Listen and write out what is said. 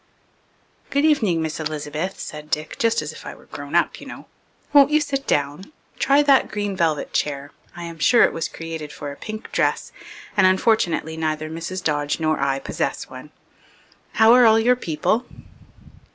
"Good evening, Miss Elizabeth," said Dick, just as if I were grown up, you know. "Won't you sit down? Try that green velvet chair. I am sure it was created for a pink dress and unfortunately neither Mrs. Dodge nor I possess one. How are all your people?"